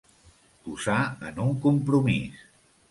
Posar en un compromís.